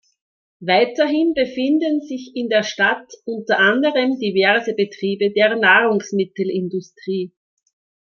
Weiterhin befinden sich in der Stadt unter anderem diverse Betriebe der Nahrungsmittelindustrie.